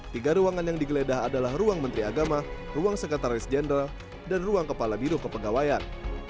tiga ruangan yang digeledah adalah ruang menteri agama ruang sekretaris jenderal dan ruang kepala biro kepegawaian